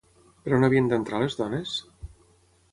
Per on havien d'entrar les dones?